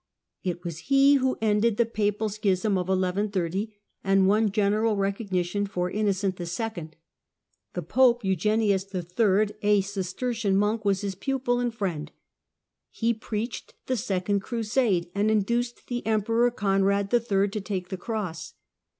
It was he who ended the papal schism of 1130, and won general recognition for Innocent II. The Pope Eugenius III., a Cistercian monk, was his pupil and friend. He preached the Second Crusade and induced the Emperor Conrad III. to take the cross.